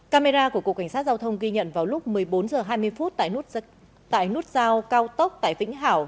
camera của cục cảnh sát giao thông ghi nhận vào lúc một mươi bốn h hai mươi tại nút giao cao tốc tại vĩnh hảo